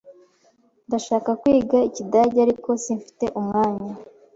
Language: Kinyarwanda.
Ndashaka kwiga Ikidage, ariko simfite umwanya.